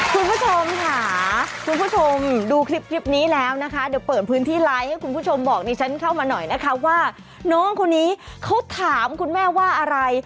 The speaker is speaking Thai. คุณผู้ชมค่ะคุณผู้ชมดูคลิปนี้แล้วนะคะเดี๋ยวเปิดพื้นที่ไลน์ให้คุณผู้ชมบอกดิฉันเข้ามาหน่อยนะคะว่าน้องคนนี้เขาถามคุณแม่ว่าอะไร